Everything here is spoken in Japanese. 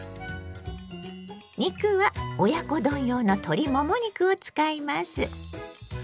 肉は親子丼用の鶏もも肉を使います。